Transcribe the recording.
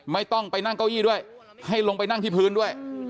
ไม่ต้องไปนั่งเก้าอี้ด้วยให้ลงไปนั่งที่พื้นด้วย